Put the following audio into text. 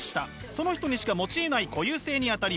その人にしか持ちえない固有性にあたります。